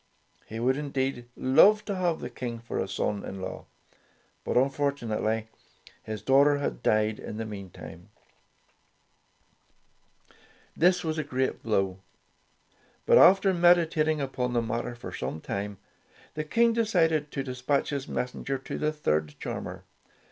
He would, indeed, love to have Tales of Modern Germany 31 the King for a son in law, but unfortunately, his daughter had died in the meantime. This was a great blow, but after medi tating upon the matter for some time, the King decided to despatch his messenger to the third charmer.